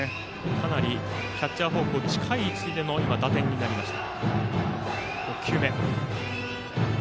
かなりキャッチャー方向に近い位置での打点になりました。